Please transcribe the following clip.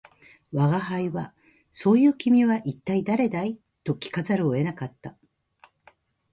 吾輩は「そう云う君は一体誰だい」と聞かざるを得なかった